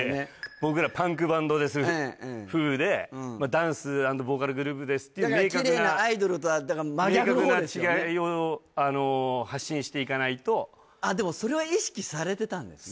僕らパンクバンドです風でダンス＆ボーカルグループですっていう明確なキレイなアイドルとは真逆の方ですよねでもそれは意識されてたんですね